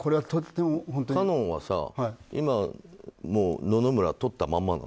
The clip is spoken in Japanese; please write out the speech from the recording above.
香音は今野々村とったままなの？